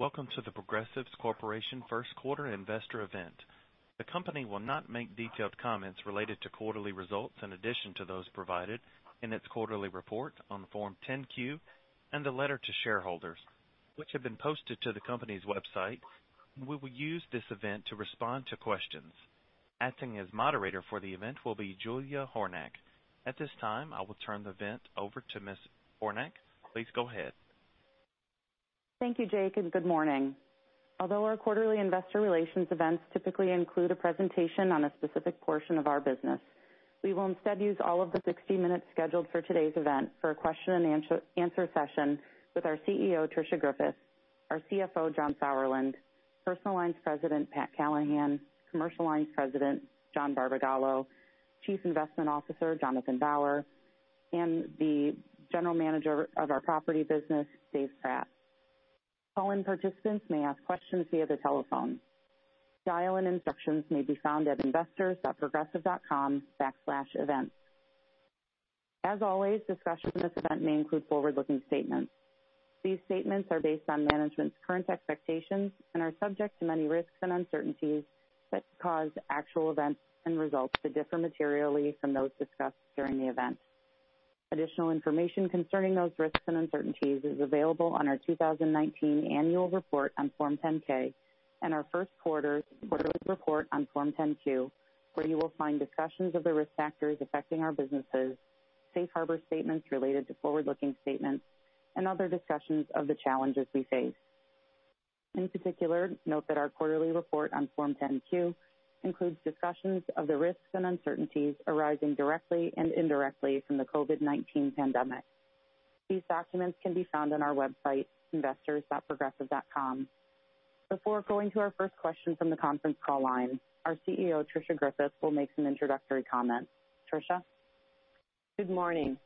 Welcome to The Progressive Corporation first quarter investor event. The company will not make detailed comments related to quarterly results in addition to those provided in its quarterly report on Form 10-Q and the letter to shareholders, which have been posted to the company's website, and we will use this event to respond to questions. Acting as moderator for the event will be Julia Hornack. At this time, I will turn the event over to Ms. Hornack. Please go ahead. Thank you, Jake, and good morning. Although our quarterly investor relations events typically include a presentation on a specific portion of our business, we will instead use all of the 60 minutes scheduled for today's event for a question and answer session with our CEO, Tricia Griffith, our CFO, John Sauerland, Personal Lines President, Pat Callahan, Commercial Lines President, John Barbagallo, Chief Investment Officer, Jonathan Bauer, and the General Manager of our property business, Dave Pratt. Call-in participants may ask questions via the telephone. Dial-in instructions may be found at investors.progressive.com/events. As always, discussion in this event may include forward-looking statements. These statements are based on management's current expectations and are subject to many risks and uncertainties that could cause actual events and results to differ materially from those discussed during the event. Additional information concerning those risks and uncertainties is available on our 2019 Annual Report on Form 10-K and our first quarter quarterly report on Form 10-Q, where you will find discussions of the risk factors affecting our businesses, safe harbor statements related to forward-looking statements, and other discussions of the challenges we face. In particular, note that our quarterly report on Form 10-Q includes discussions of the risks and uncertainties arising directly and indirectly from the COVID-19 pandemic. These documents can be found on our website, investors.progressive.com. Before going to our first question from the conference call line, our CEO, Tricia Griffith, will make some introductory comments. Tricia? Good morning.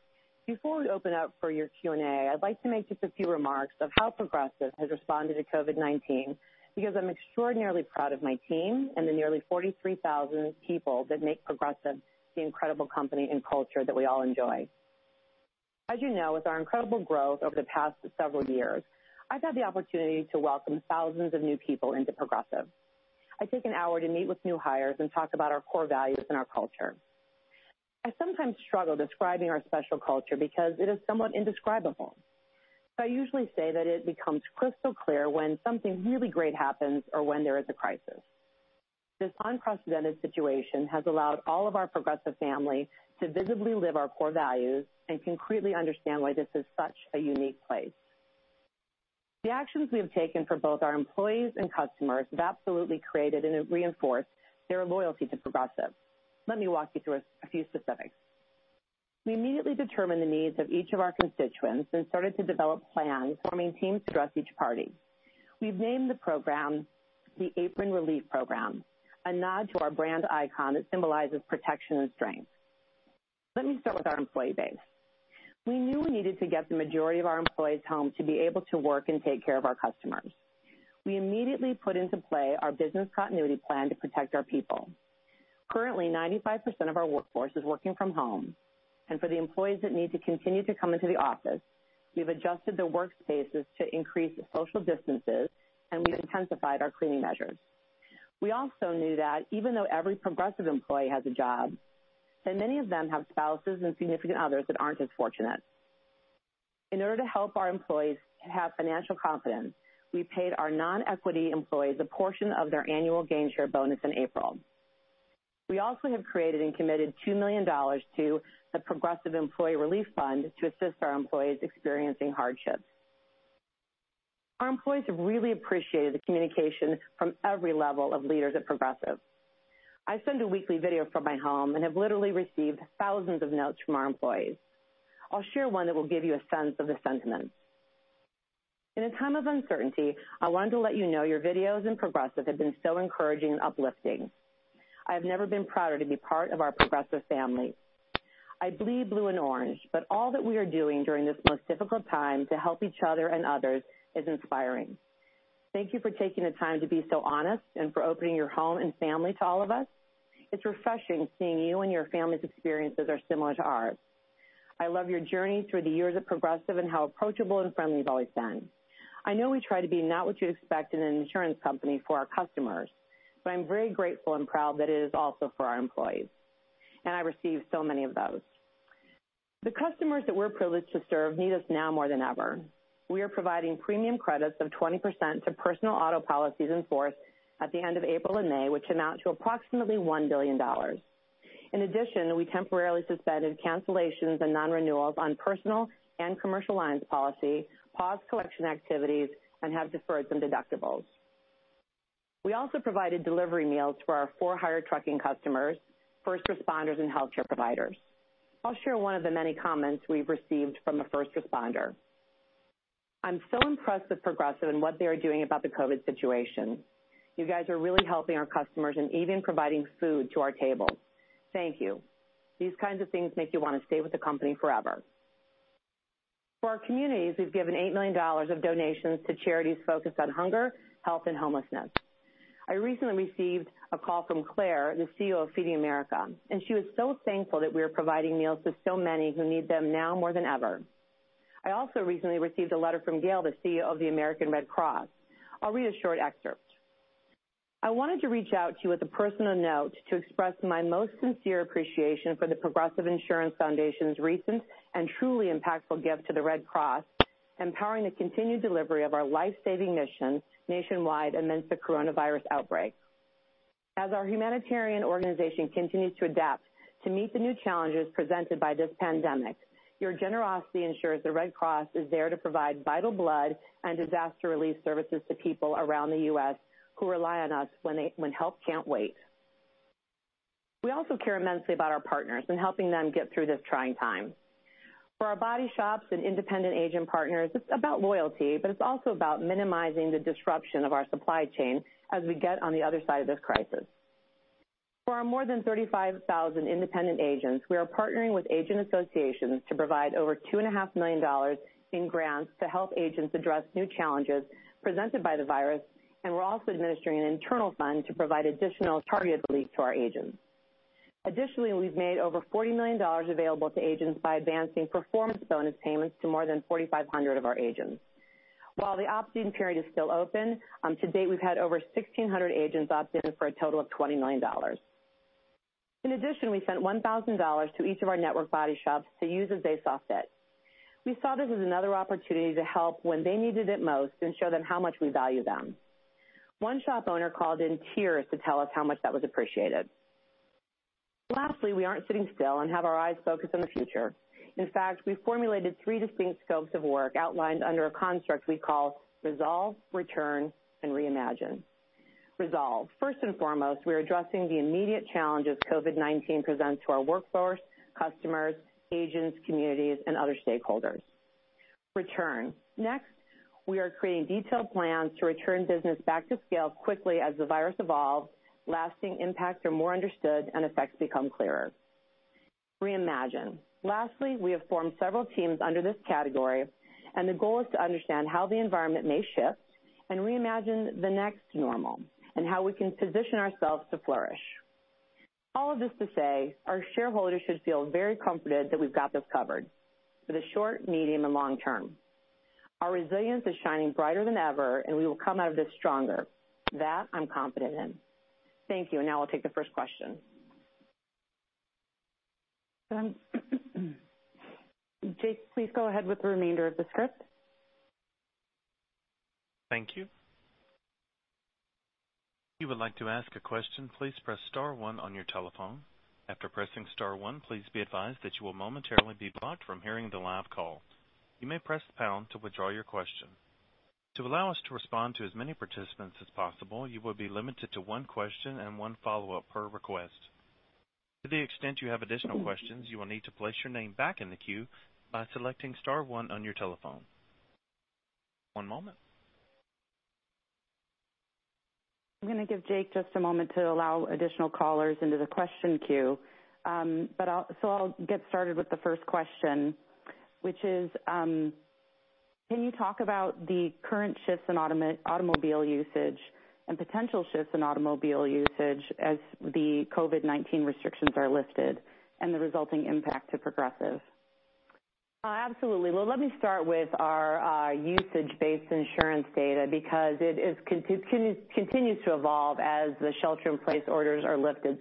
Before we open up for your Q&A, I'd like to make just a few remarks of how Progressive has responded to COVID-19, because I'm extraordinarily proud of my team and the nearly 43,000 people that make Progressive the incredible company and culture that we all enjoy. As you know, with our incredible growth over the past several years, I've had the opportunity to welcome thousands of new people into Progressive. I take an hour to meet with new hires and talk about our core values and our culture. I sometimes struggle describing our special culture because it is somewhat indescribable. I usually say that it becomes crystal clear when something really great happens or when there is a crisis. This unprecedented situation has allowed all of our Progressive family to visibly live our core values and concretely understand why this is such a unique place. The actions we have taken for both our employees and customers have absolutely created and reinforced their loyalty to Progressive. Let me walk you through a few specifics. We immediately determined the needs of each of our constituents and started to develop plans forming teams across each party. We've named the program the Apron Relief Program, a nod to our brand icon that symbolizes protection and strength. Let me start with our employee base. We knew we needed to get the majority of our employees home to be able to work and take care of our customers. We immediately put into play our business continuity plan to protect our people. Currently, 95% of our workforce is working from home, and for the employees that need to continue to come into the office, we've adjusted the workspaces to increase social distances, and we've intensified our cleaning measures. We also knew that even though every Progressive Employee has a job, and many of them have spouses and significant others that aren't as fortunate. In order to help our employees have financial confidence, we paid our non-equity employees a portion of their annual Gainshare bonus in April. We also have created and committed $2 million to the Progressive Employee Relief Fund to assist our employees experiencing hardships. Our employees have really appreciated the communication from every level of leaders at Progressive. I send a weekly video from my home and have literally received thousands of notes from our employees. I'll share one that will give you a sense of the sentiment. "In a time of uncertainty, I wanted to let you know your videos and Progressive have been so encouraging and uplifting. I have never been prouder to be part of our Progressive family. I bleed blue and orange. All that we are doing during this most difficult time to help each other and others is inspiring. Thank you for taking the time to be so honest and for opening your home and family to all of us. It's refreshing seeing you and your family's experiences are similar to ours. I love your journey through the years at Progressive and how approachable and friendly you've always been. I know we try to be not what you expect in an insurance company for our customers, but I'm very grateful and proud that it is also for our employees. I receive so many of those. The customers that we're privileged to serve need us now more than ever. We are providing premium credits of 20% to personal auto policies in force at the end of April and May, which amount to approximately $1 billion. In addition, we temporarily suspended cancellations and non-renewals on personal and commercial lines policy, paused collection activities, and have deferred some deductibles. We also provided delivery meals for our for-hire trucking customers, first responders, and healthcare providers. I'll share one of the many comments we've received from a first responder. "I'm so impressed with Progressive and what they are doing about the COVID-19 situation. You guys are really helping our customers and even providing food to our table. Thank you. These kinds of things make you want to stay with the company forever." For our communities, we've given $8 million of donations to charities focused on hunger, health, and homelessness. I recently received a call from Claire, the CEO of Feeding America, and she was so thankful that we are providing meals to so many who need them now more than ever. I also recently received a letter from Gail, the CEO of the American Red Cross. I'll read a short excerpt. "I wanted to reach out to you with a personal note to express my most sincere appreciation for the Progressive Insurance Foundation's recent and truly impactful gift to the Red Cross, empowering the continued delivery of our life-saving mission nationwide amidst the coronavirus outbreak. As our humanitarian organization continues to adapt to meet the new challenges presented by this pandemic, your generosity ensures the Red Cross is there to provide vital blood and disaster relief services to people around the U.S. who rely on us when help can't wait." We also care immensely about our partners and helping them get through this trying time. For our body shops and independent agent partners, it's about loyalty, but it's also about minimizing the disruption of our supply chain as we get on the other side of this crisis. For our more than 35,000 independent agents, we are partnering with agent associations to provide over $2.5 million in grants to help agents address new challenges presented by the virus, and we're also administering an internal fund to provide additional targeted relief to our agents. Additionally, we've made over $40 million available to agents by advancing performance bonus payments to more than 4,500 of our agents. While the opt-in period is still open, to date, we've had over 1,600 agents opt in for a total of $20 million. In addition, we sent $1,000 to each of our network body shops to use as they saw fit. We saw this as another opportunity to help when they needed it most and show them how much we value them. One shop owner called in tears to tell us how much that was appreciated. Lastly, we aren't sitting still and have our eyes focused on the future. In fact, we formulated three distinct scopes of work outlined under a construct we call resolve, return, and reimagine. Resolve. First and foremost, we're addressing the immediate challenges COVID-19 presents to our workforce, customers, agents, communities, and other stakeholders. Return. Next, we are creating detailed plans to return business back to scale quickly as the virus evolves, lasting impacts are more understood, and effects become clearer. Reimagine. Lastly, we have formed several teams under this category, and the goal is to understand how the environment may shift and reimagine the next normal and how we can position ourselves to flourish. All of this to say, our shareholders should feel very comforted that we've got this covered for the short, medium, and long term. Our resilience is shining brighter than ever, and we will come out of this stronger. That I'm confident in. Thank you. Now I'll take the first question. Jake, please go ahead with the remainder of the script. Thank you. If you would like to ask a question, please press star one on your telephone. After pressing star one, please be advised that you will momentarily be blocked from hearing the live call. You may press pound to withdraw your question. To allow us to respond to as many participants as possible, you will be limited to one question and one follow-up per request. To the extent you have additional questions, you will need to place your name back in the queue by selecting star one on your telephone. One moment. I'm going to give Jake just a moment to allow additional callers into the question queue. I'll get started with the first question, which is, can you talk about the current shifts in automobile usage and potential shifts in automobile usage as the COVID-19 restrictions are lifted and the resulting impact to Progressive? Absolutely. Well, let me start with our usage-based insurance data because it continues to evolve as the shelter-in-place orders are lifted.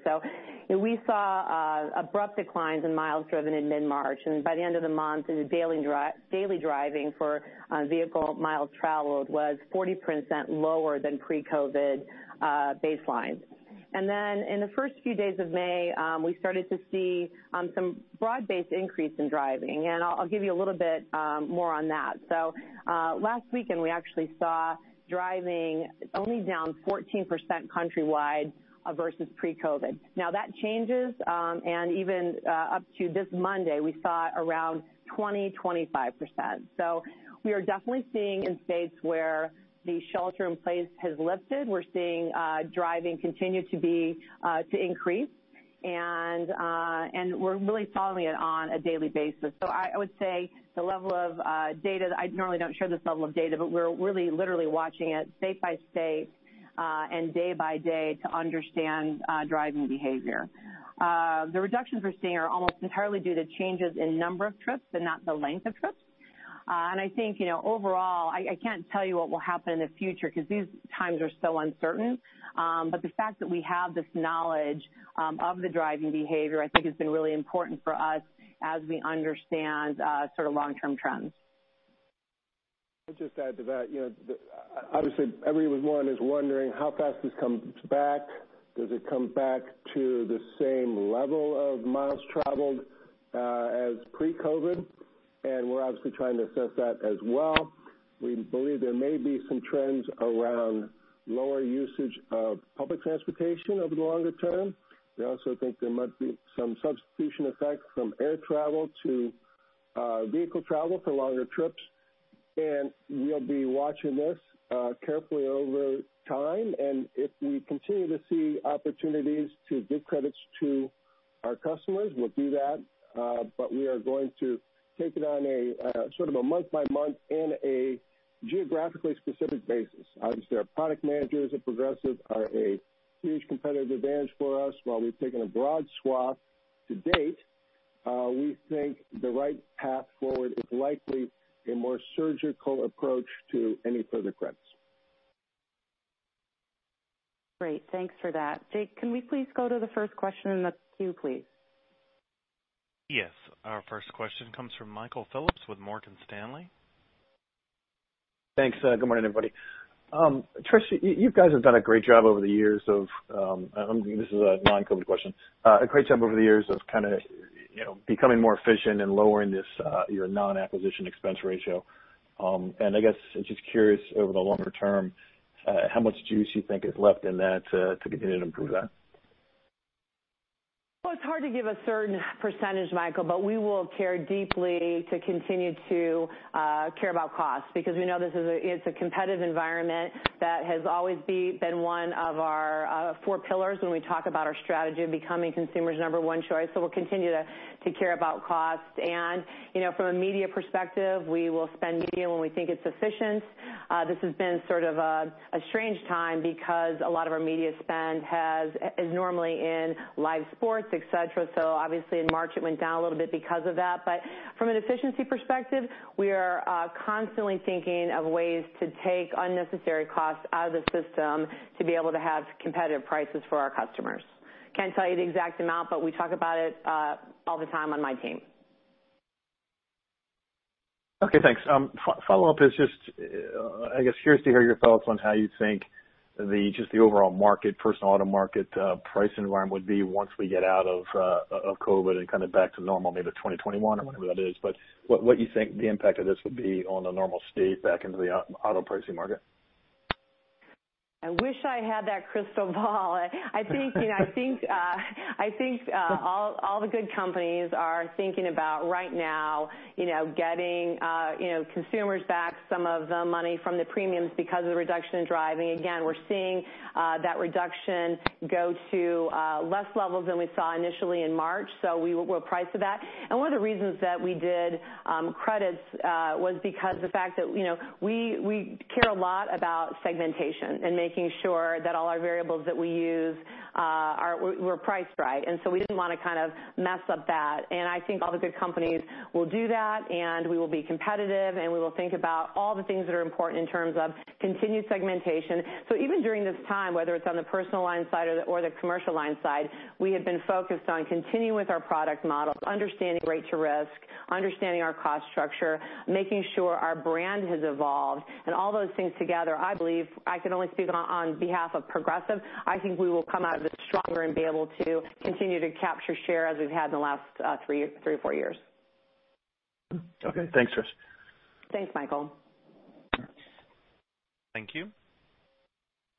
We saw abrupt declines in miles driven in mid-March, and by the end of the month, daily driving for vehicle miles traveled was 40% lower than pre-COVID baseline. In the first few days of May, we started to see some broad-based increase in driving, and I'll give you a little bit more on that. Last weekend, we actually saw driving only down 14% countrywide versus pre-COVID. Now that changes, and even up to this Monday, we saw around 20%, 25%. We are definitely seeing in states where the shelter-in-place has lifted, we're seeing driving continue to increase, and we're really following it on a daily basis. I would say the level of data, I normally don't share this level of data, but we're really literally watching it state by state and day by day to understand driving behavior. The reductions we're seeing are almost entirely due to changes in number of trips and not the length of trips. I think overall, I can't tell you what will happen in the future because these times are so uncertain. The fact that we have this knowledge of the driving behavior, I think, has been really important for us as we understand long-term trends. I'll just add to that. Obviously, everyone is wondering how fast this comes back. Does it come back to the same level of miles traveled as pre-COVID? We're obviously trying to assess that as well. We believe there may be some trends around lower usage of public transportation over the longer term. We also think there might be some substitution effect from air travel to vehicle travel for longer trips, and we'll be watching this carefully over time. If we continue to see opportunities to give credits to our customers will do that, but we are going to take it on a month-by-month and a geographically specific basis. Obviously, our product managers at Progressive are a huge competitive advantage for us. While we've taken a broad swath to date, we think the right path forward is likely a more surgical approach to any further credits. Great. Thanks for that. Jake, can we please go to the first question in the queue, please? Yes. Our first question comes from Michael Phillips with Morgan Stanley. Thanks. Good morning, everybody. Tricia, you guys have done a great job over the years of, this is a non-COVID question, a great job over the years of becoming more efficient and lowering your non-acquisition expense ratio. I guess, just curious over the longer term, how much juice you think is left in that to continue to improve that? Well, it's hard to give a certain percentage, Michael, we will care deeply to continue to care about cost, because we know this is a competitive environment that has always been one of our four pillars when we talk about our strategy of becoming consumers' number one choice. We'll continue to care about cost. From a media perspective, we will spend media when we think it's efficient. This has been sort of a strange time because a lot of our media spend is normally in live sports, et cetera, so obviously in March it went down a little bit because of that. From an efficiency perspective, we are constantly thinking of ways to take unnecessary costs out of the system to be able to have competitive prices for our customers. Can't tell you the exact amount, but we talk about it all the time on my team. Okay, thanks. Follow-up is just, I guess, curious to hear your thoughts on how you think just the overall market, personal auto market, price environment would be once we get out of COVID and kind of back to normal, maybe 2021 or whenever that is. What you think the impact of this would be on a normal state back into the auto pricing market? I wish I had that crystal ball. I think all the good companies are thinking about right now getting consumers back some of the money from the premiums because of the reduction in driving. Again, we're seeing that reduction go to less levels than we saw initially in March, so we'll price to that. One of the reasons that we did credits was because the fact that we care a lot about segmentation and making sure that all our variables that we use were priced right, and so we didn't want to kind of mess up that. I think all the good companies will do that, and we will be competitive, and we will think about all the things that are important in terms of continued segmentation. Even during this time, whether it's on the personal line side or the commercial line side, we have been focused on continuing with our product model, understanding rate to risk, understanding our cost structure, making sure our brand has evolved, and all those things together, I believe I can only speak on behalf of Progressive, I think we will come out of it stronger and be able to continue to capture share as we've had in the last three or four years. Okay. Thanks, Trish. Thanks, Michael. Thank you.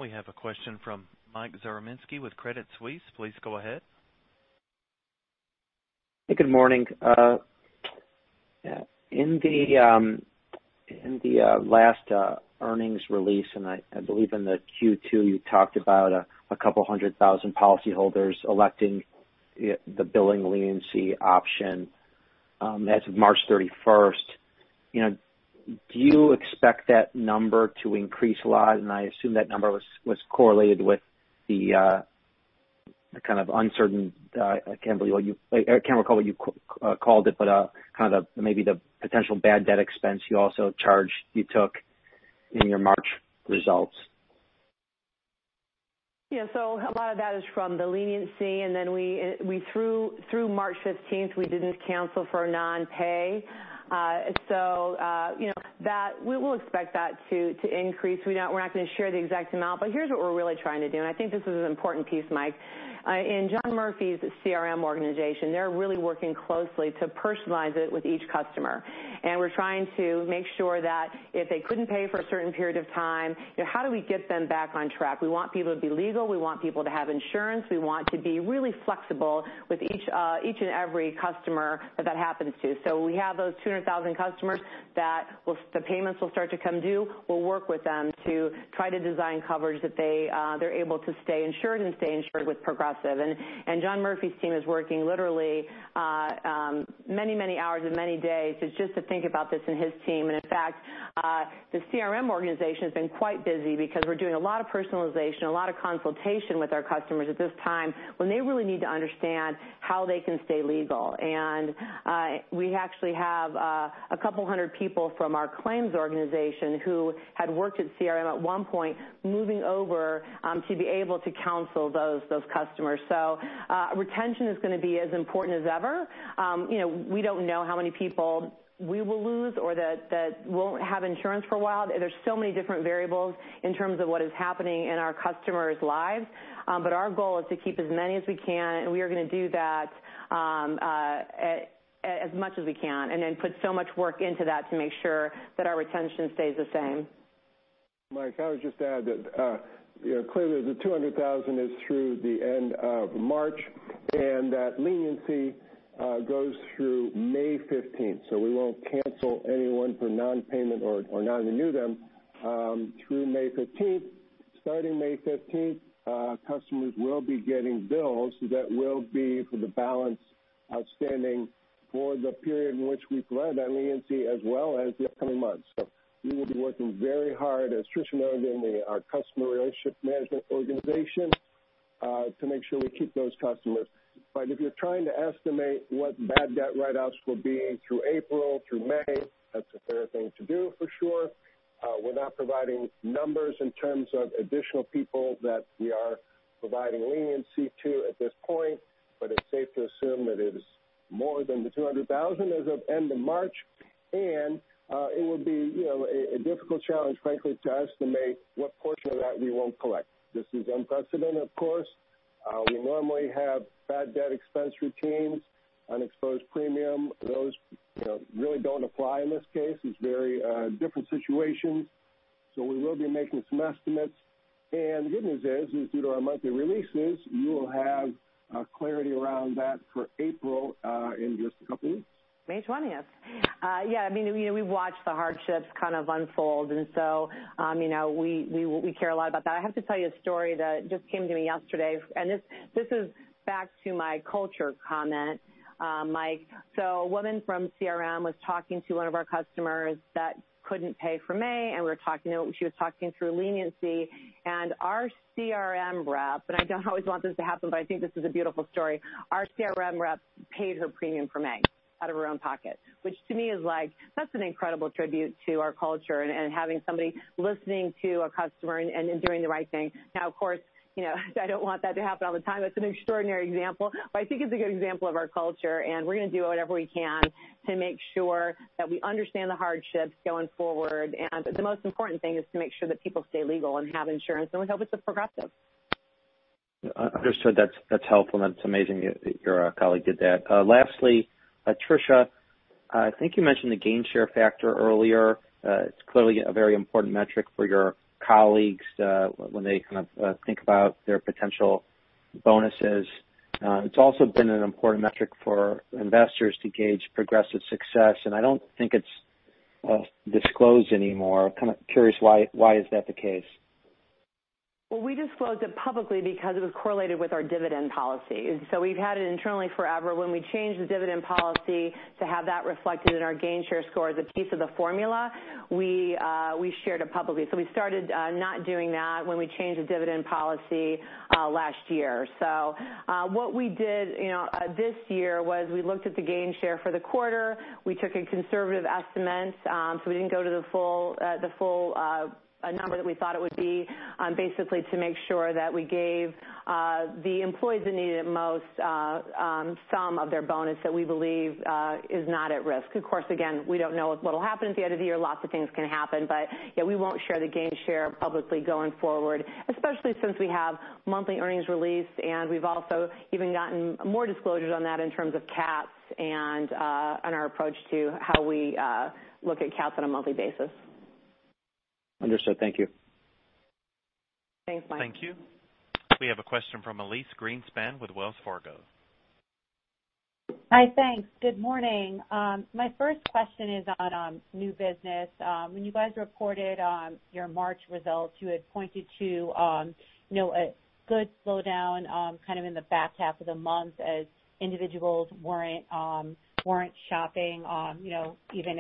We have a question from Mike Zaremski with Credit Suisse. Please go ahead. Good morning. In the last earnings release, I believe in the Q2, you talked about a couple hundred thousand policyholders electing the billing leniency option as of March 31st. Do you expect that number to increase a lot? I assume that number was correlated with the kind of uncertain, I can't recall what you called it, but maybe the potential bad debt expense you also took in your March results. Yeah. A lot of that is from the leniency, and then through March 15th, we didn't cancel for a non-pay. We will expect that to increase. We're not going to share the exact amount, but here's what we're really trying to do, and I think this is an important piece, Mike. In John Murphy's CRM organization, they're really working closely to personalize it with each customer, and we're trying to make sure that if they couldn't pay for a certain period of time, how do we get them back on track? We want people to be legal. We want people to have insurance. We want to be really flexible with each and every customer that happens to. We have those 200,000 customers that the payments will start to come due. We'll work with them to try to design coverage that they're able to stay insured and stay insured with Progressive. John Murphy's team is working literally many, many hours and many days just to think about this in his team. In fact, the CRM organization has been quite busy because we're doing a lot of personalization, a lot of consultation with our customers at this time when they really need to understand how they can stay legal. We actually have a couple hundred people from our claims organization who had worked at CRM at one point, moving over to be able to counsel those customers. Retention is going to be as important as ever. We don't know how many people we will lose or that won't have insurance for a while. There's so many different variables in terms of what is happening in our customers' lives. Our goal is to keep as many as we can, and we are going to do that as much as we can, and then put so much work into that to make sure that our retention stays the same. Mike, can I just add that clearly the 200,000 is through the end of March, and that leniency goes through May 15th. We won't cancel anyone for non-payment or not renew them through May 15th. Starting May 15th, customers will be getting bills that will be for the balance outstanding for the period in which we've lent on leniency as well as the upcoming months. We will be working very hard, as Tricia knows, in our Customer Relationship Management organization to make sure we keep those customers. If you're trying to estimate what bad debt write-offs will be through April, through May, that's a fair thing to do for sure. We're not providing numbers in terms of additional people that we are providing leniency to at this point, but it's safe to assume that it is more than the 200,000 as of end of March. It would be a difficult challenge, frankly, to estimate what portion of that we won't collect. This is unprecedented, of course. We normally have bad debt expense routines, unexposed premium. Those really don't apply in this case. It's a very different situation. We will be making some estimates, and the good news is, due to our monthly releases, you will have clarity around that for April in just a couple of weeks. May 20th. Yeah, we've watched the hardships kind of unfold. We care a lot about that. I have to tell you a story that just came to me yesterday. This is back to my culture comment, Mike. A woman from CRM was talking to one of our customers that couldn't pay for May, and she was talking through leniency, and our CRM rep, and I don't always want this to happen, but I think this is a beautiful story. Our CRM rep paid her premium for May out of her own pocket, which to me is like, such an incredible tribute to our culture and having somebody listening to a customer and then doing the right thing. Now, of course, I don't want that to happen all the time. It's an extraordinary example. I think it's a good example of our culture. We're going to do whatever we can to make sure that we understand the hardships going forward. The most important thing is to make sure that people stay legal and have insurance, and we hope it's with Progressive. Understood. That's helpful, and that's amazing that your colleague did that. Lastly, Tricia, I think you mentioned the Gainshare factor earlier. It's clearly a very important metric for your colleagues when they kind of think about their potential bonuses. It's also been an important metric for investors to gauge Progressive's success, and I don't think it's disclosed anymore. I'm kind of curious why is that the case? Well, we disclosed it publicly because it was correlated with our dividend policy. We've had it internally forever. When we changed the dividend policy to have that reflected in our Gainshare score as a piece of the formula, we shared it publicly. We started not doing that when we changed the dividend policy last year. What we did this year was we looked at the Gainshare for the quarter. We took a conservative estimate, so we didn't go to the full number that we thought it would be, basically to make sure that we gave the employees that needed it most some of their bonus that we believe is not at risk. Of course, again, we don't know what'll happen at the end of the year. Lots of things can happen. Yeah, we won't share the Gainshare publicly going forward, especially since we have monthly earnings released, and we've also even gotten more disclosures on that in terms of cats and our approach to how we look at cats on a monthly basis. Understood. Thank you. Thanks, Mike. Thank you. We have a question from Elyse Greenspan with Wells Fargo. Hi, thanks. Good morning. My first question is on new business. When you guys reported on your March results, you had pointed to a good slowdown kind of in the back half of the month as individuals weren't shopping even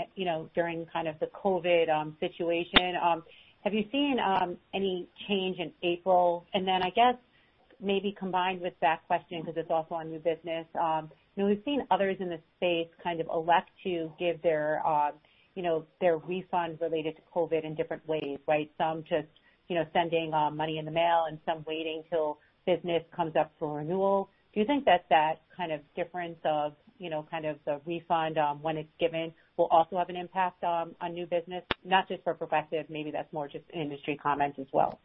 during kind of the COVID situation. Have you seen any change in April? I guess maybe combined with that question because it's also on new business, we've seen others in the space kind of elect to give their refunds related to COVID in different ways, right? Some just sending money in the mail and some waiting till business comes up for renewal. Do you think that that kind of difference of kind of the refund when it's given will also have an impact on new business, not just for Progressive, maybe that's more just an industry comment as well?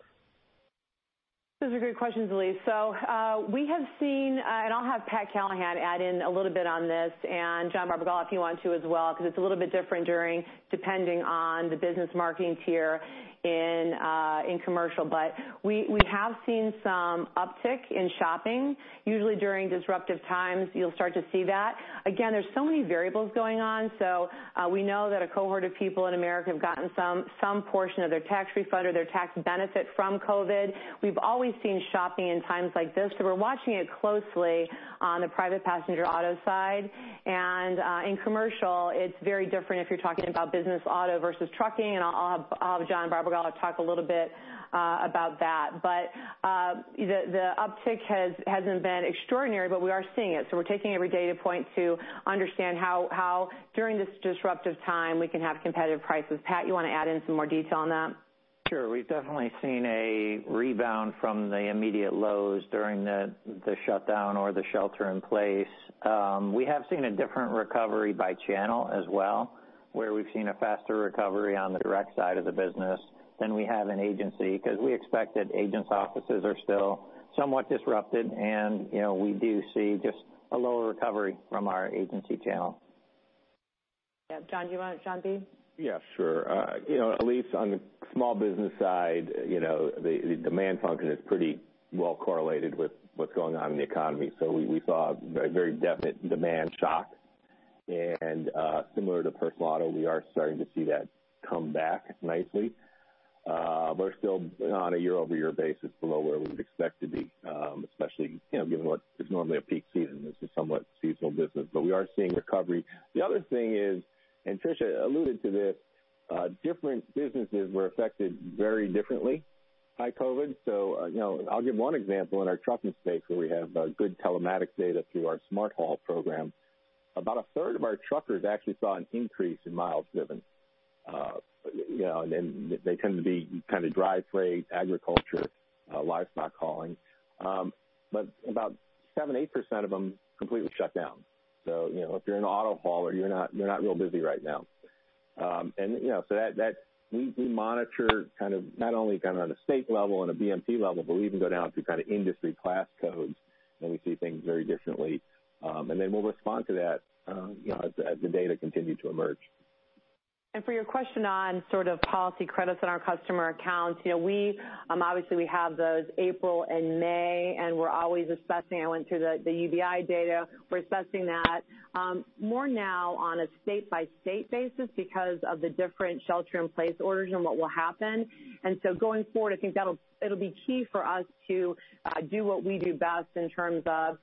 Those are good questions, Elyse. We have seen, and I'll have Pat Callahan add in a little bit on this, and John Barbagallo if you want to as well, because it's a little bit different depending on the business marketing tier in commercial. We have seen some uptick in shopping. Usually during disruptive times, you'll start to see that. Again, there's so many variables going on. We know that a cohort of people in America have gotten some portion of their tax refund or their tax benefit from COVID. We've always seen shopping in times like this, so we're watching it closely on the private passenger auto side. In commercial, it's very different if you're talking about business auto versus trucking, and I'll have John Barbagallo talk a little bit about that. The uptick hasn't been extraordinary, but we are seeing it. We're taking every data point to understand how during this disruptive time we can have competitive prices. Pat, you want to add in some more detail on that? Sure. We've definitely seen a rebound from the immediate lows during the shutdown or the shelter in place. We have seen a different recovery by channel as well, where we've seen a faster recovery on the direct side of the business than we have in agency because we expect that agents' offices are still somewhat disrupted, and we do see just a lower recovery from our agency channel. Yeah. John, do you want it, John B? Yeah, sure. Elyse, on the small business side, the demand function is pretty well correlated with what's going on in the economy. We saw a very definite demand shock. Similar to personal auto, we are starting to see that come back nicely. We're still on a year-over-year basis below where we'd expect to be, especially given what is normally a peak season. This is somewhat seasonal business, we are seeing recovery. The other thing is, Tricia alluded to this, different businesses were affected very differently by COVID. I'll give one example. In our trucking space, where we have good telematics data through our Smart Haul program, about a third of our truckers actually saw an increase in miles driven. They tend to be kind of dry freight, agriculture, livestock hauling. About seven, 8% of them completely shut down. If you're an auto hauler, you're not real busy right now. We monitor not only on a state level and a BMP level, but we even go down to industry class codes, and we see things very differently. We'll respond to that as the data continue to emerge. For your question on policy credits on our customer accounts, obviously we have those April and May, and we're always assessing. I went through the UBI data. We're assessing that more now on a state-by-state basis because of the different shelter-in-place orders and what will happen. Going forward, I think it'll be key for us to do what we do best in terms of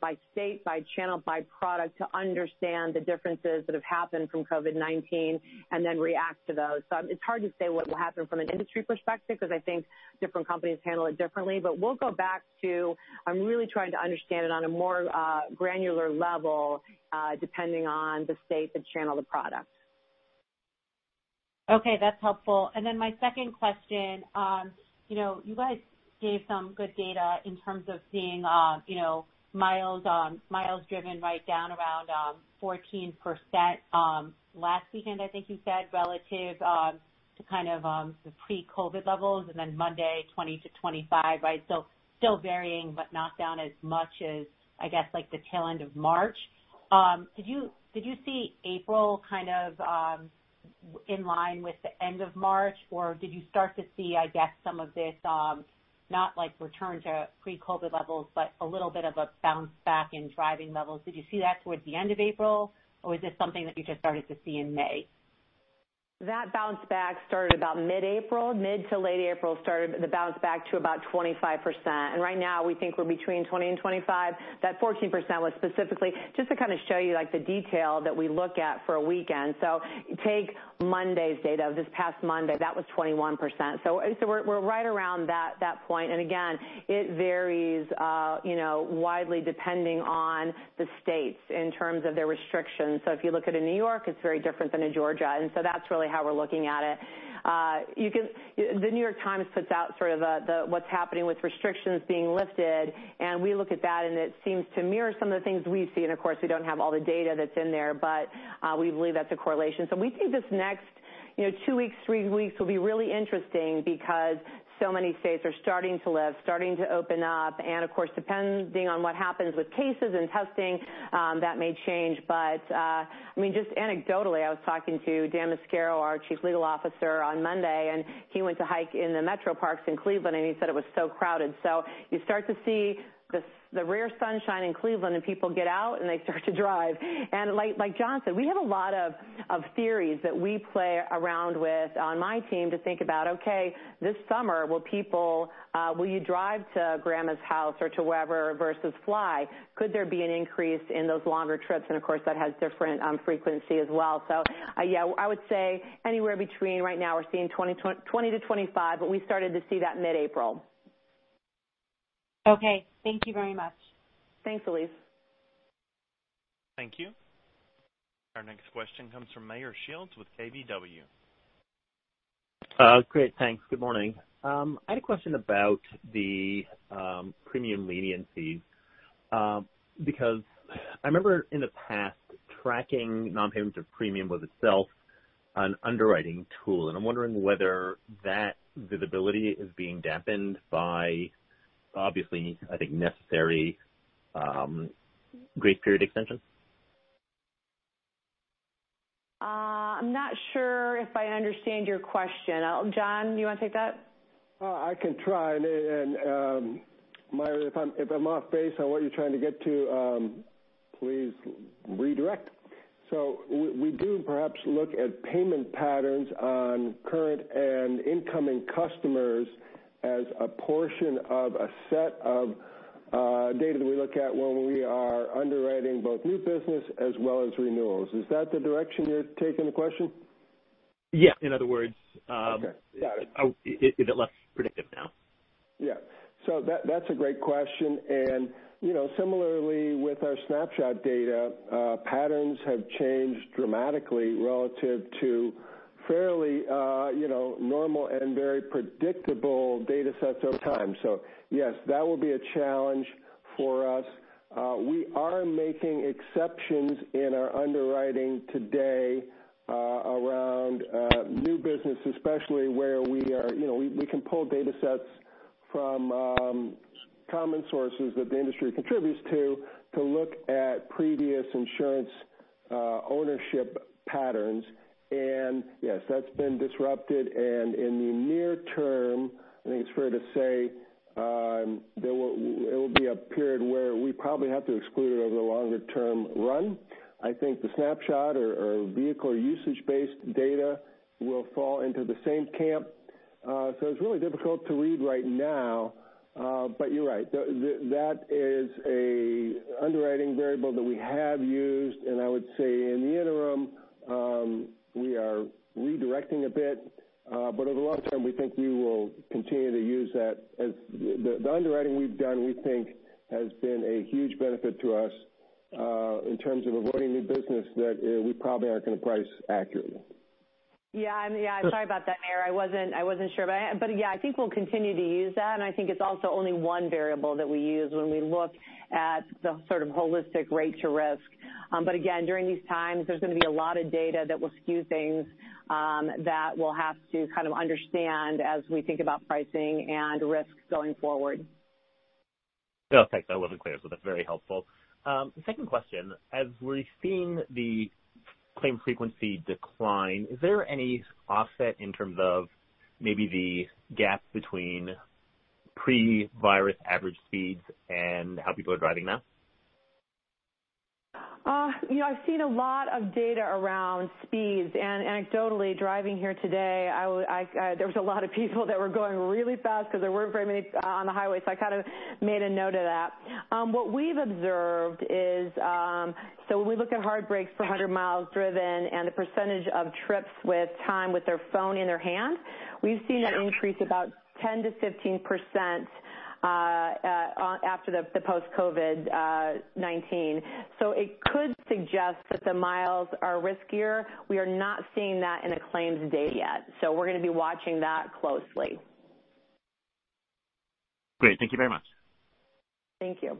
by state, by channel, by product to understand the differences that have happened from COVID-19 and then react to those. It's hard to say what will happen from an industry perspective, because I think different companies handle it differently, but we'll go back to really trying to understand it on a more granular level, depending on the state, the channel, the product. Okay, that's helpful. My second question. You guys gave some good data in terms of seeing miles driven right down around 14% last weekend, I think you said, relative to the pre-COVID levels, then Monday, 20-25. Still varying, but not down as much as, I guess, the tail end of March. Did you see April in line with the end of March, or did you start to see, I guess some of this, not return to pre-COVID levels, but a little bit of a bounce back in driving levels? Did you see that towards the end of April, or is this something that you just started to see in May? That bounce back started about mid-April. Mid to late April started the bounce back to about 25%. Right now, we think we're between 20 and 25. That 14% was specifically just to show you the detail that we look at for a weekend. Take Monday's data, this past Monday. That was 21%. We're right around that point. Again, it varies widely depending on the states in terms of their restrictions. If you look at it in New York, it's very different than in Georgia. That's really how we're looking at it. The New York Times puts out what's happening with restrictions being lifted, and we look at that, and it seems to mirror some of the things we see. Of course, we don't have all the data that's in there, but we believe that's a correlation. We think this next two weeks, three weeks will be really interesting because so many states are starting to lift, starting to open up, and of course, depending on what happens with cases and testing, that may change. Just anecdotally, I was talking to Dan Mascaro, our Chief Legal Officer, on Monday, and he went to hike in the metro parks in Cleveland, and he said it was so crowded. You start to see the rare sunshine in Cleveland, and people get out and they start to drive. Like John said, we have a lot of theories that we play around with on my team to think about, okay, this summer, will you drive to grandma's house or to wherever versus fly? Could there be an increase in those longer trips? Of course, that has different frequency as well. Yeah, I would say anywhere between right now we're seeing 20 to 25, but we started to see that mid-April. Okay. Thank you very much. Thanks, Elyse. Thank you. Our next question comes from Meyer Shields with KBW. Great, thanks. Good morning. I had a question about the premium leniency. I remember in the past, tracking non-payments of premium was itself an underwriting tool, and I'm wondering whether that visibility is being dampened by, obviously, I think, necessary grace period extensions. I'm not sure if I understand your question. John, you want to take that? I can try. Meyer, if I'm off base on what you're trying to get to, please redirect. We do perhaps look at payment patterns on current and incoming customers as a portion of a set of data that we look at when we are underwriting both new business as well as renewals. Is that the direction you're taking the question? Yeah. Okay. Got it. is it less predictive now? Yeah. That's a great question. Similarly with our Snapshot data, patterns have changed dramatically relative to fairly normal and very predictable data sets over time. Yes, that will be a challenge for us. We are making exceptions in our underwriting today around new business, especially where we can pull data sets from common sources that the industry contributes to look at previous insurance ownership patterns. Yes, that's been disrupted. In the near term, I think it's fair to say, it will be a period where we probably have to exclude it over the longer term run. I think the Snapshot or vehicle usage-based data will fall into the same camp. It's really difficult to read right now. You're right, that is a underwriting variable that we have used. I would say in the interim, we are redirecting a bit. Over the long term, we think we will continue to use that as the underwriting we've done, we think has been a huge benefit to us, in terms of avoiding new business that we probably aren't going to price accurately. Yeah. I'm sorry about that, Meyer. I wasn't sure. Yeah, I think we'll continue to use that. I think it's also only one variable that we use when we look at the sort of holistic rate to risk. Again, during these times, there's going to be a lot of data that will skew things, that we'll have to kind of understand as we think about pricing and risks going forward. No, thanks. That wasn't clear. That's very helpful. The second question, as we're seeing the claim frequency decline, is there any offset in terms of maybe the gap between pre-virus average speeds and how people are driving now? I've seen a lot of data around speeds and anecdotally driving here today, there was a lot of people that were going really fast because there weren't very many on the highway. I kind of made a note of that. What we've observed is, so when we look at hard brakes per 100 miles driven and the percentage of trips with time with their phone in their hand, we've seen an increase about 10% to 15% after the post COVID-19. It could suggest that the miles are riskier. We are not seeing that in a claims data yet, so we're going to be watching that closely. Great. Thank you very much. Thank you.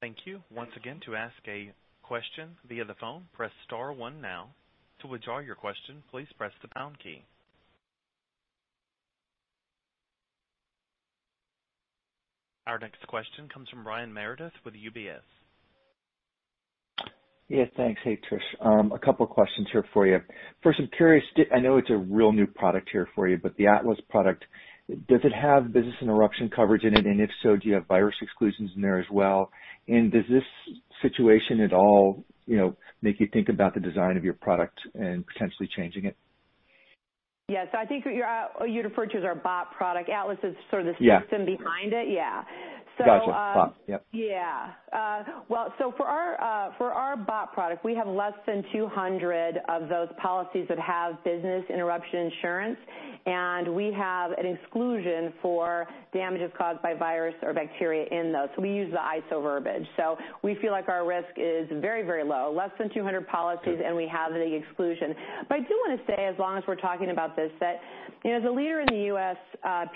Thank you. Once again, to ask a question via the phone, press star one now. To withdraw your question, please press the pound key. Our next question comes from Brian Meredith with UBS. Thanks. Hey, Tricia. A couple questions here for you. First, I'm curious, I know it's a real new product here for you, but the Atlas product, does it have business interruption coverage in it? If so, do you have virus exclusions in there as well? Does this situation at all make you think about the design of your product and potentially changing it? Yeah. I think you're referring to as our BOP product. Atlas is sort of the system behind it. Yeah. Got you. BOP. Yep. Yeah. Well, for our BOP product, we have less than 200 of those policies that have business interruption insurance, and we have an exclusion for damages caused by virus or bacteria in those. We use the ISO verbiage. We feel like our risk is very, very low, less than 200 policies, and we have the exclusion. I do want to say, as long as we're talking about this, that as a leader in the U.S.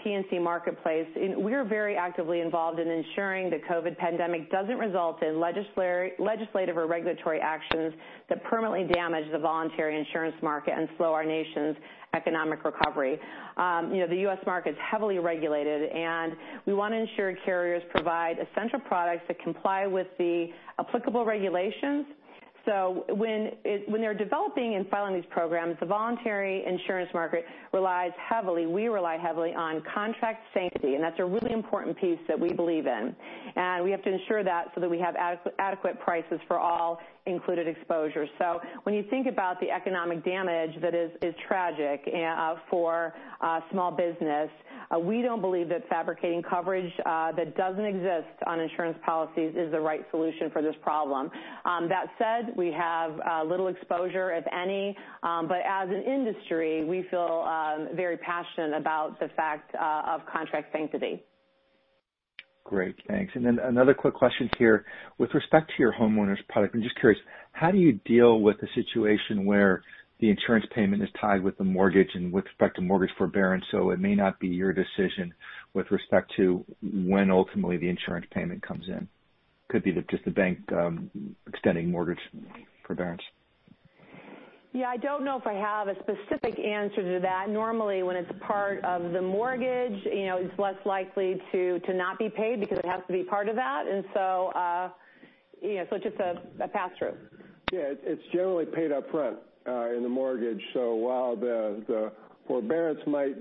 P&C marketplace, we're very actively involved in ensuring the COVID pandemic doesn't result in legislative or regulatory actions that permanently damage the voluntary insurance market and slow our nation's economic recovery. The U.S. market is heavily regulated, and we want to ensure carriers provide essential products that comply with the applicable regulations. When they're developing and filing these programs, the voluntary insurance market relies heavily, we rely heavily on contract sanctity, and that's a really important piece that we believe in. We have to ensure that so that we have adequate prices for all included exposures. When you think about the economic damage that is tragic for small business, we don't believe that fabricating coverage that doesn't exist on insurance policies is the right solution for this problem. That said, we have little exposure, if any. As an industry, we feel very passionate about the fact of contract sanctity. Great, thanks. Then another quick question here. With respect to your homeowners product, I'm just curious, how do you deal with the situation where the insurance payment is tied with the mortgage and with respect to mortgage forbearance? It may not be your decision with respect to when ultimately the insurance payment comes in. Could be just the bank extending mortgage forbearance. Yeah, I don't know if I have a specific answer to that. Normally, when it's part of the mortgage, it's less likely to not be paid because it has to be part of that. It's just a pass-through. Yeah. While the forbearance might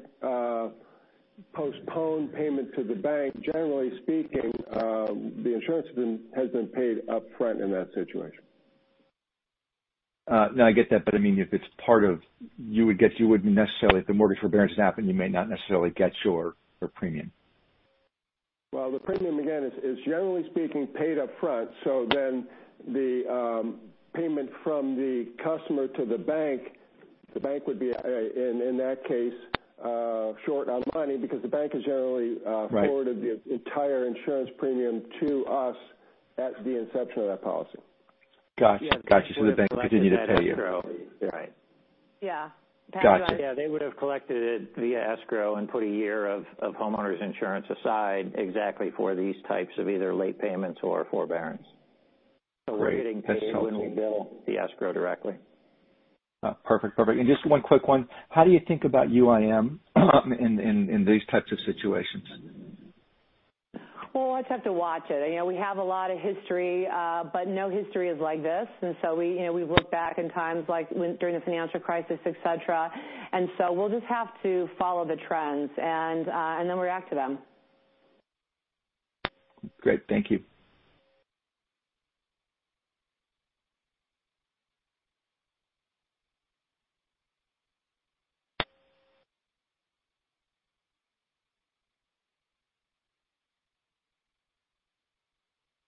postpone payment to the bank, generally speaking, the insurance has been paid upfront in that situation. No, I get that, but, if the mortgage forbearance happened, you may not necessarily get your premium. Well, the premium, again, is generally speaking paid upfront. The payment from the customer to the bank, the bank would be, in that case, short on money because the bank has generally forwarded the entire insurance premium to us at the inception of that policy. Got you. The bank will continue to pay you. Yeah. Got you. Yeah. They would have collected it via escrow and put a year of homeowners insurance aside exactly for these types of either late payments or forbearance. Great. When we bill the escrow directly. Perfect. Just one quick one. How do you think about UIM in these types of situations? Well, we'll just have to watch it. We have a lot of history, but no history is like this. We look back in times like during the financial crisis, et cetera, and so we'll just have to follow the trends and then react to them. Great. Thank you.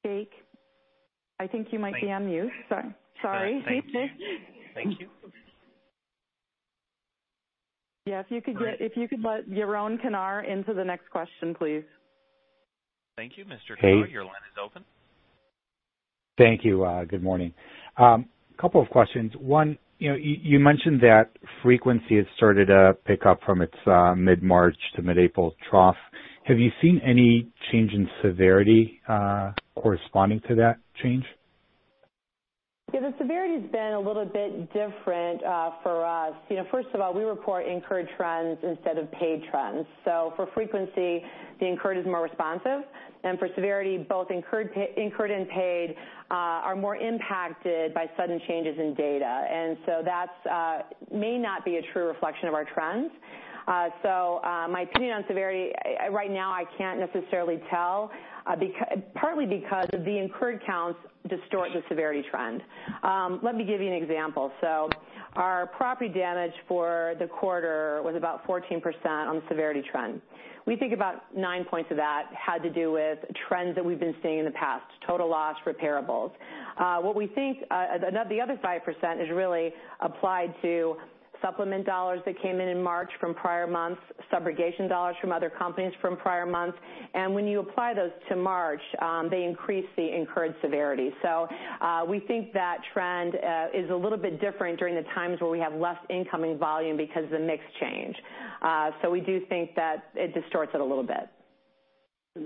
Jake, I think you might be on mute. Sorry. Sure. Thank you. Yeah, if you could let Yaron Kinar into the next question, please. Thank you. Mr. Kinar. Hey Your line is open. Thank you. Good morning. Couple of questions. One, you mentioned that frequency has started to pick up from its mid-March to mid-April trough. Have you seen any change in severity corresponding to that change? Yeah, the severity's been a little bit different for us. First of all, we report incurred trends instead of paid trends. For frequency, the incurred is more responsive. For severity, both incurred and paid are more impacted by sudden changes in data. That may not be a true reflection of our trends. My opinion on severity, right now I can't necessarily tell, partly because the incurred counts distort the severity trend. Let me give you an example. Our property damage for the quarter was about 14% on the severity trend. We think about nine points of that had to do with trends that we've been seeing in the past, total loss, repairables. What we think the other 5% is really applied to supplement dollars that came in in March from prior months, subrogation dollars from other companies from prior months. When you apply those to March, they increase the incurred severity. We think that trend is a little bit different during the times where we have less incoming volume because of the mix change. We do think that it distorts it a little bit.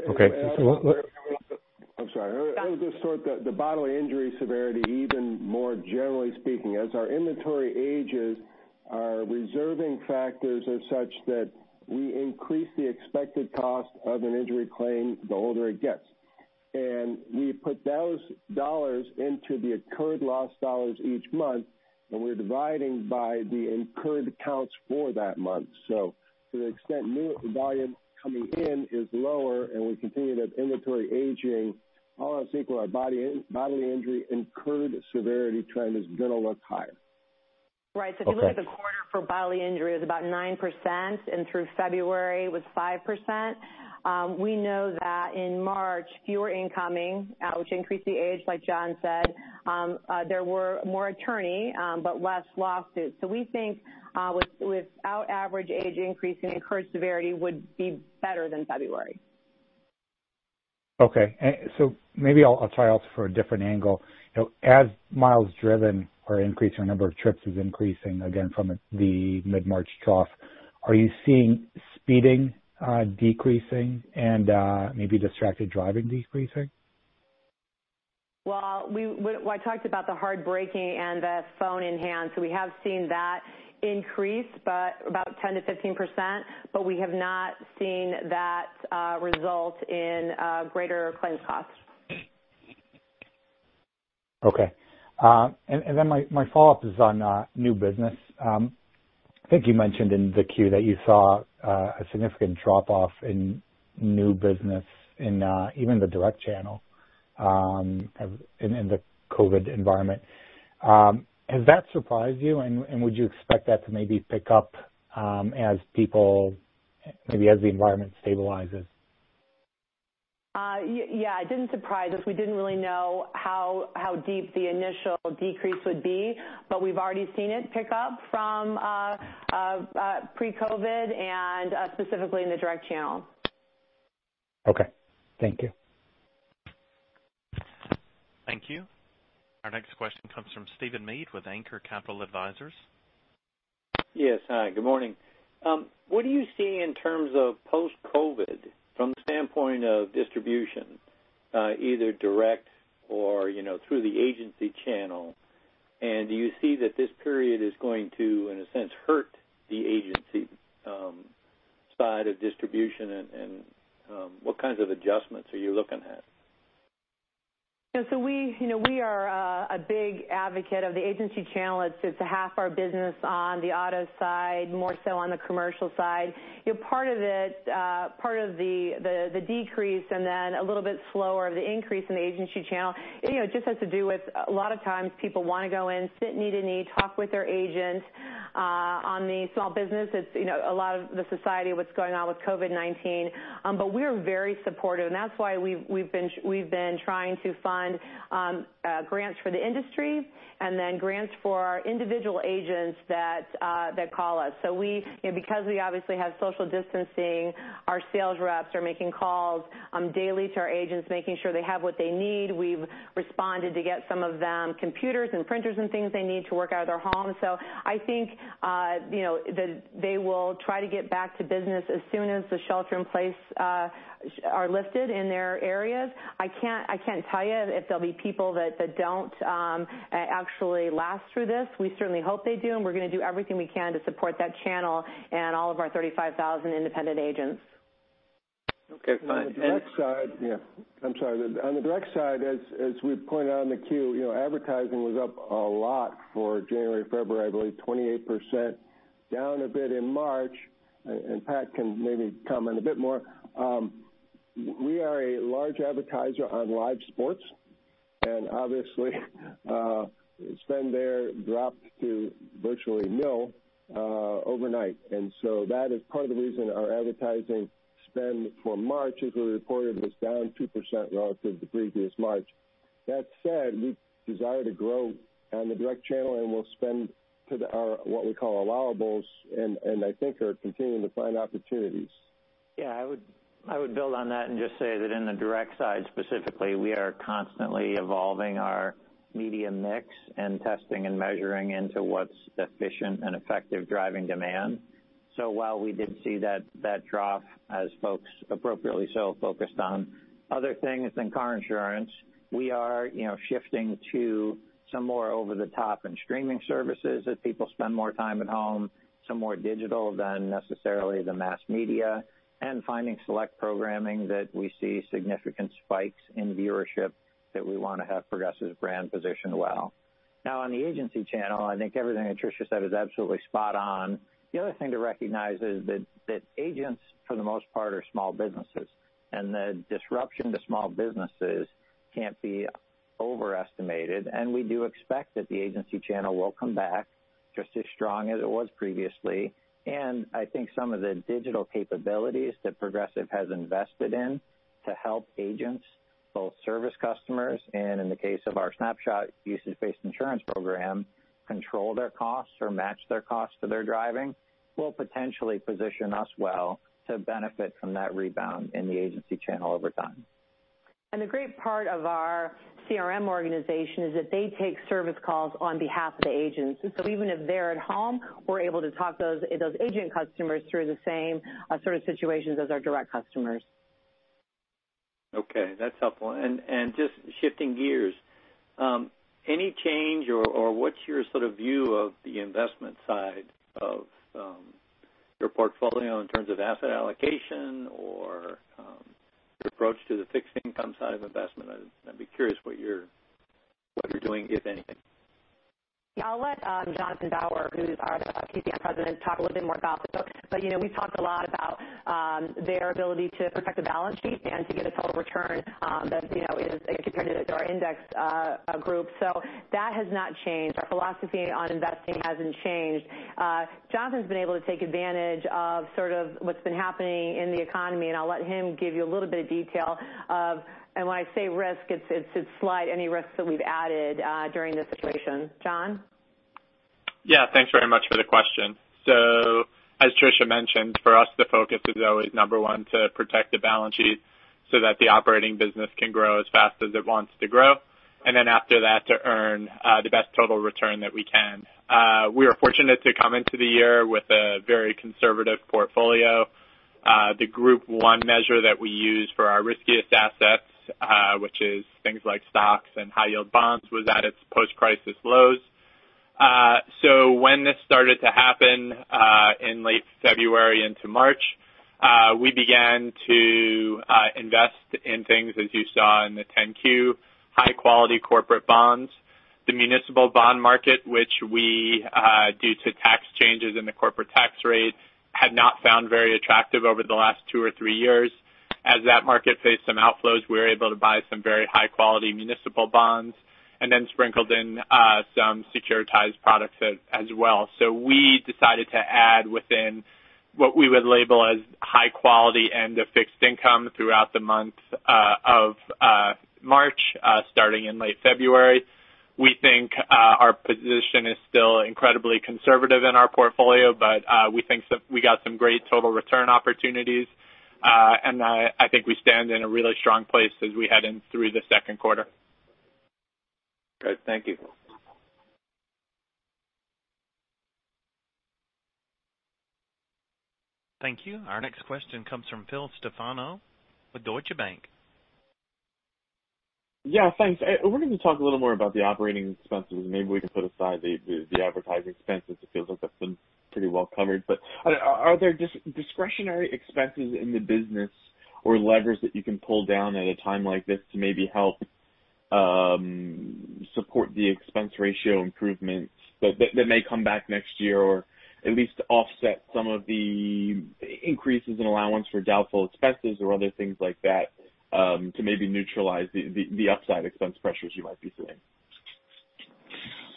Okay. I'm sorry. It'll distort the bodily injury severity even more generally speaking. As our inventory ages, our reserving factors are such that we increase the expected cost of an injury claim the older it gets. We put those dollars into the occurred loss dollars each month, and we're dividing by the incurred counts for that month. To the extent new volume coming in is lower and we continue that inventory aging, all else equal, our bodily injury incurred severity trend is going to look higher. Right. Okay. If you look at the quarter for bodily injury, it was about 9%, and through February, it was 5%. We know that in March, fewer incoming, which increased the age, like John said. There were more attorney but less lawsuits. We think with our average age increasing, incurred severity would be better than February. Okay. Maybe I'll try also for a different angle. As miles driven are increasing or number of trips is increasing again from the mid-March trough, are you seeing speeding decreasing and maybe distracted driving decreasing? Well, I talked about the hard braking and the phone in hand, so we have seen that increase by about 10% to 15%, but we have not seen that result in greater claims costs. Okay. My follow-up is on new business. I think you mentioned in the Q that you saw a significant drop-off in new business in even the direct channel in the COVID environment. Has that surprised you, and would you expect that to maybe pick up as the environment stabilizes? Yeah, it didn't surprise us. We didn't really know how deep the initial decrease would be, but we've already seen it pick up from pre-COVID and specifically in the direct channel. Okay. Thank you. Thank you. Our next question comes from Stephen Mead with Anchor Capital Advisors. Yes, hi. Good morning. What are you seeing in terms of post-COVID from the standpoint of distribution, either direct or through the agency channel? Do you see that this period is going to, in a sense, hurt the agency side of distribution, and what kinds of adjustments are you looking at? We are a big advocate of the agency channel. It's half our business on the auto side, more so on the Commercial side. Part of the decrease and then a little bit slower of the increase in the agency channel just has to do with a lot of times people want to go in, sit knee to knee, talk with their agent. On the small business, it's a lot of the society, what's going on with COVID-19. We are very supportive, and that's why we've been trying to fund grants for the industry and then grants for individual agents that call us. Because we obviously have social distancing, our sales reps are making calls daily to our agents, making sure they have what they need. We've responded to get some of them computers and printers and things they need to work out of their home. I think that they will try to get back to business as soon as the shelter in place are lifted in their areas. I can't tell you if there'll be people that don't actually last through this. We certainly hope they do, and we're going to do everything we can to support that channel and all of our 35,000 independent agents. Okay, fine. I'm sorry. On the direct side, as we've pointed out on the Q, advertising was up a lot for January, February, I believe 28%, down a bit in March. Pat can maybe comment a bit more. We are a large advertiser on live sports, obviously, spend there dropped to virtually nil overnight. That is part of the reason our advertising spend for March, as we reported, was down 2% relative to previous March. That said, we desire to grow on the direct channel, we'll spend to our, what we call allowables, I think are continuing to find opportunities. Yeah, I would build on that and just say that in the direct side specifically, we are constantly evolving our media mix and testing and measuring into what's efficient and effective driving demand. While we did see that drop as folks appropriately so focused on other things than car insurance, we are shifting to some more over-the-top and streaming services as people spend more time at home, some more digital than necessarily the mass media, and finding select programming that we see significant spikes in viewership that we want to have Progressive's brand positioned well. On the agency channel, I think everything that Tricia said is absolutely spot on. The other thing to recognize is that agents, for the most part, are small businesses, and the disruption to small businesses can't be overestimated. We do expect that the agency channel will come back just as strong as it was previously. I think some of the digital capabilities that Progressive has invested in to help agents, both service customers, and in the case of our Snapshot usage-based insurance program, control their costs or match their costs to their driving, will potentially position us well to benefit from that rebound in the agency channel over time. A great part of our CRM organization is that they take service calls on behalf of the agents. Even if they're at home, we're able to talk those agent customers through the same sort of situations as our direct customers. Okay, that's helpful. Just shifting gears, any change or what's your view of the investment side of your portfolio in terms of asset allocation or your approach to the fixed income side of investment? I'd be curious what you're doing, if anything. Yeah, I'll let Jonathan Bauer, who's our TPM President, talk a little bit more about the books. We've talked a lot about their ability to protect the balance sheet and to get a total return that is comparative to our index group. That has not changed. Our philosophy on investing hasn't changed. Jonathan's been able to take advantage of what's been happening in the economy, and I'll let him give you a little bit of detail of, and when I say risk, it's to slide any risks that we've added during this situation. John? Yeah, thanks very much for the question. As Tricia mentioned, for us, the focus is always number one, to protect the balance sheet so that the operating business can grow as fast as it wants to grow, and then after that, to earn the best total return that we can. We are fortunate to come into the year with a very conservative portfolio. The Group I measure that we use for our riskiest assets, which is things like stocks and high-yield bonds, was at its post-crisis lows. When this started to happen, in late February into March, we began to invest in things, as you saw in the 10-Q, high quality corporate bonds. The municipal bond market, which we, due to tax changes in the corporate tax rate, had not found very attractive over the last two or three years. As that market faced some outflows, we were able to buy some very high-quality municipal bonds and then sprinkled in some securitized products as well. We decided to add within what we would label as high-quality end of fixed income throughout the month of March, starting in late February. We think our position is still incredibly conservative in our portfolio, but we think we got some great total return opportunities. I think we stand in a really strong place as we head in through the second quarter. Great. Thank you. Thank you. Our next question comes from Phil Stefano with Deutsche Bank. Yeah, thanks. I wanted to talk a little more about the operating expenses. Maybe we can put aside the advertising expenses. It feels like that's been pretty well covered. Are there discretionary expenses in the business or levers that you can pull down at a time like this to maybe help support the expense ratio improvements that may come back next year, or at least offset some of the increases in allowance for doubtful expenses or other things like that, to maybe neutralize the upside expense pressures you might be seeing?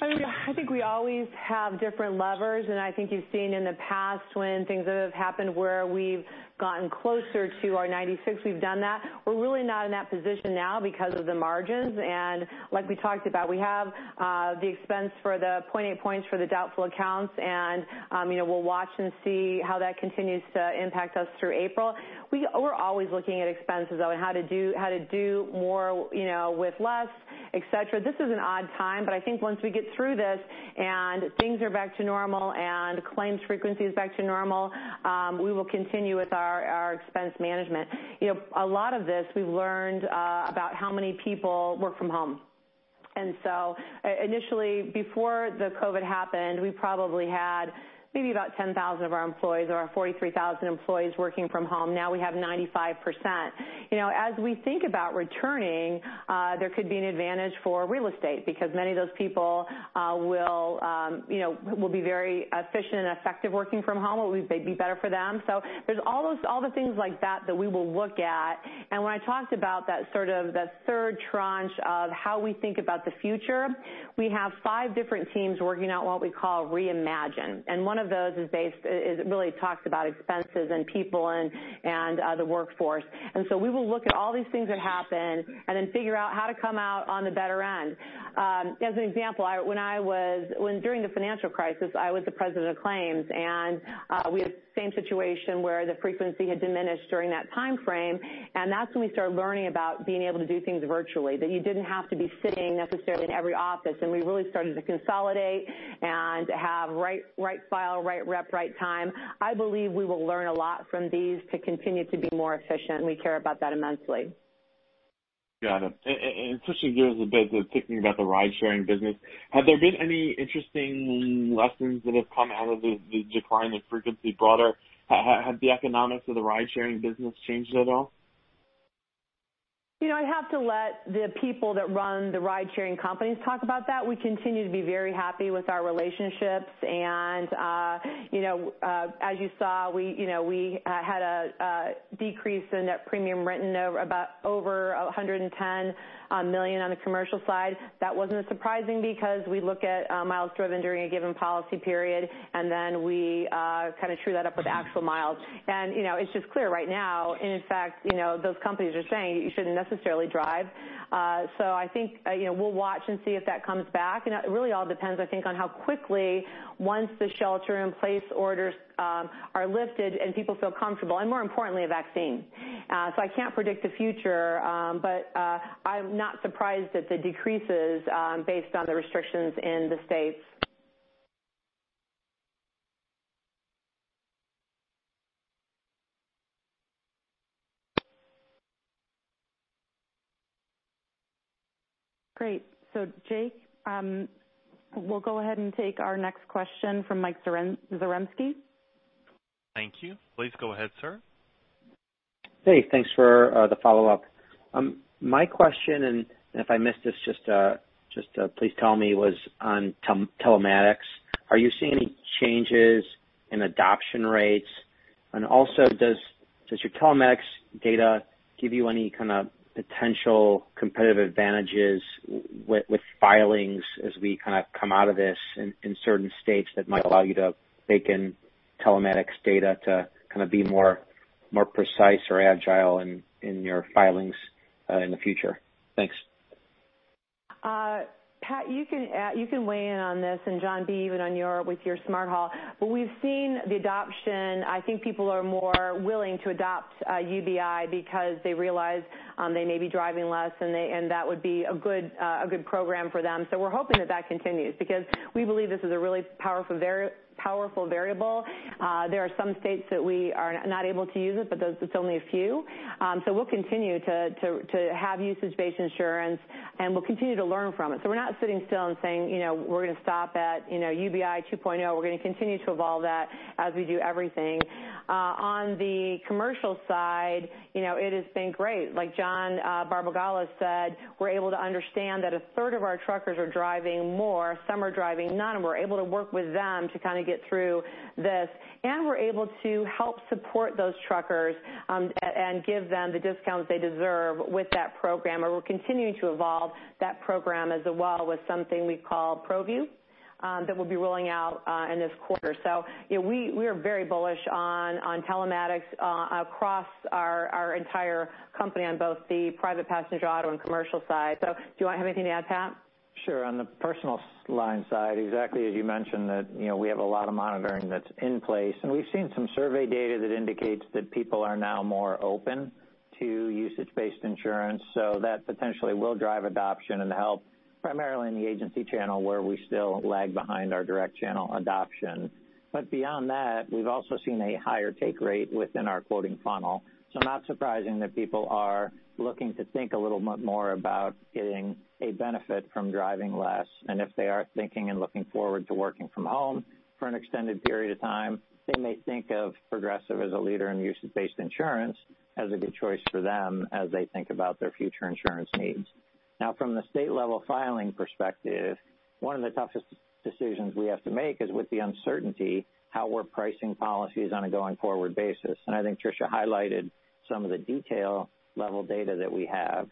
I think we always have different levers, and I think you've seen in the past when things have happened where we've gotten closer to our 96, we've done that. We're really not in that position now because of the margins, and like we talked about, we have the expense for the 0.8 points for the doubtful accounts, and we'll watch and see how that continues to impact us through April. We're always looking at expenses, though, and how to do more with less, et cetera. This is an odd time, but I think once we get through this and things are back to normal and claims frequency is back to normal, we will continue with our expense management. A lot of this we've learned about how many people work from home. Initially, before the COVID-19 happened, we probably had maybe about 10,000 of our employees or our 43,000 employees working from home. Now we have 95%. As we think about returning, there could be an advantage for real estate because many of those people will be very efficient and effective working from home, or it may be better for them. There's all the things like that that we will look at. When I talked about that third tranche of how we think about the future, we have five different teams working out what we call reimagine, One of those really talks about expenses and people and the workforce. We will look at all these things that happen and then figure out how to come out on the better end. As an example, during the financial crisis, I was the President of Claims, and we had the same situation where the frequency had diminished during that timeframe, and that's when we started learning about being able to do things virtually, that you didn't have to be sitting necessarily in every office. We really started to consolidate and have right file, right rep, right time. I believe we will learn a lot from these to continue to be more efficient, and we care about that immensely. Got it. Tricia, yours is a bit thinking about the ride-sharing business. Have there been any interesting lessons that have come out of the decline in frequency broader? Have the economics of the ride-sharing business changed at all? I have to let the people that run the ride-sharing companies talk about that. As you saw, we had a decrease in net premium written over about $110 million on the commercial side. That wasn't surprising because we look at miles driven during a given policy period, and then we true that up with actual miles. It's just clear right now, and in fact, those companies are saying you shouldn't necessarily drive. I think we'll watch and see if that comes back. It really all depends, I think, on how quickly once the shelter-in-place orders are lifted and people feel comfortable, and more importantly, a vaccine. I can't predict the future, but I'm not surprised at the decreases based on the restrictions in the states. Great. Jake, we'll go ahead and take our next question from Mike Zaremski. Thank you. Please go ahead, sir. Hey, thanks for the follow-up. My question, and if I missed this, just please tell me, was on telematics. Are you seeing any changes in adoption rates? Also, does your telematics data give you any kind of potential competitive advantages with filings as we come out of this in certain states that might allow you to bake in telematics data to be more precise or agile in your filings in the future? Thanks. Pat, you can weigh in on this, and John B, even with your Smart Haul. We've seen the adoption. I think people are more willing to adopt UBI because they realize they may be driving less, and that would be a good program for them. We're hoping that that continues because we believe this is a really powerful variable. There are some states that we are not able to use it, but it's only a few. We'll continue to have usage-based insurance, and we'll continue to learn from it. We're not sitting still and saying we're going to stop at UBI 2.0. We're going to continue to evolve that as we do everything. On the commercial side, it has been great. Like John Barbagallo said, we're able to understand that a third of our truckers are driving more, some are driving none, and we're able to work with them to get through this. We're able to help support those truckers, and give them the discounts they deserve with that program. We're continuing to evolve that program as well with something we call ProView that we'll be rolling out in this quarter. We are very bullish on telematics across our entire company on both the private passenger auto and commercial side. Do you have anything to add, Pat? Sure. On the Personal Lines side, exactly as you mentioned that we have a lot of monitoring that's in place, and we've seen some survey data that indicates that people are now more open to usage-based insurance. That potentially will drive adoption and help primarily in the agency channel where we still lag behind our direct channel adoption. Beyond that, we've also seen a higher take rate within our quoting funnel. Not surprising that people are looking to think a little more about getting a benefit from driving less. If they are thinking and looking forward to working from home for an extended period of time, they may think of Progressive as a leader in usage-based insurance as a good choice for them as they think about their future insurance needs. From the state-level filing perspective, one of the toughest decisions we have to make is with the uncertainty how we're pricing policies on a going-forward basis. I think Tricia highlighted some of the detail-level data that we have.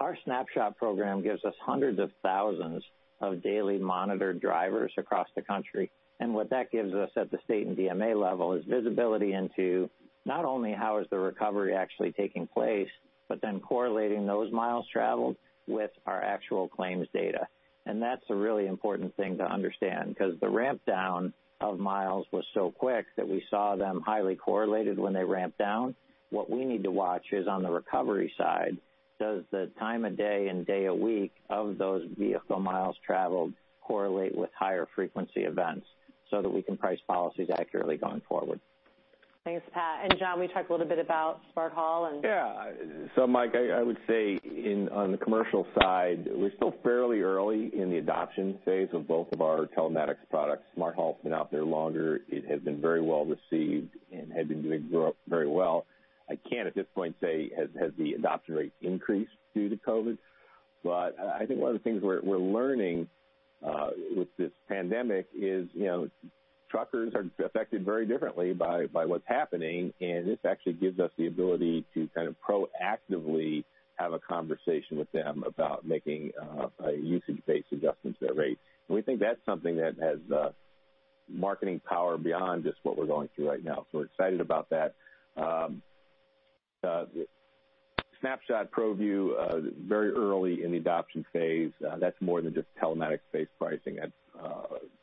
Our Snapshot program gives us hundreds of thousands of daily monitored drivers across the country. What that gives us at the state and DMA level is visibility into not only how is the recovery actually taking place, but correlating those miles traveled with our actual claims data. That's a really important thing to understand because the ramp down of miles was so quick that we saw them highly correlated when they ramped down. What we need to watch is on the recovery side, does the time of day and day of week of those vehicle miles traveled correlate with higher frequency events so that we can price policies accurately going forward. Thanks, Pat. John, will you talk a little bit about Smart Haul? Yeah. Mike, I would say on the commercial side, we're still fairly early in the adoption phase of both of our telematics products. Smart Haul's been out there longer. It has been very well received and has been doing very well. I can't at this point say has the adoption rate increased due to COVID, but I think one of the things we're learning with this pandemic is truckers are affected very differently by what's happening, and this actually gives us the ability to proactively have a conversation with them about making a usage-based adjustment to their rate. We think that's something that has marketing power beyond just what we're going through right now. We're excited about that. Snapshot ProView, very early in the adoption phase. That's more than just telematics-based pricing. That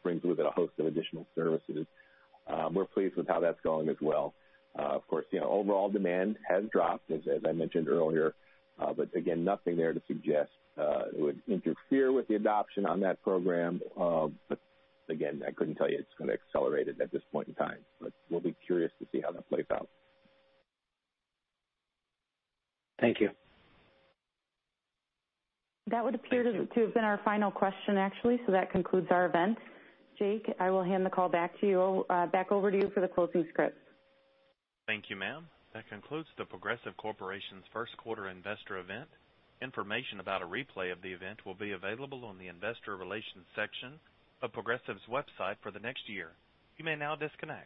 brings with it a host of additional services. We're pleased with how that's going as well. Of course, overall demand has dropped, as I mentioned earlier, but again, nothing there to suggest it would interfere with the adoption on that program. Again, I couldn't tell you it's going to accelerate it at this point in time, but we'll be curious to see how that plays out. Thank you. That would appear to have been our final question, actually. That concludes our event. Jake, I will hand the call back over to you for the closing script. Thank you, ma'am. That concludes The Progressive Corporation's first quarter investor event. Information about a replay of the event will be available on the investor relations section of Progressive's website for the next year. You may now disconnect.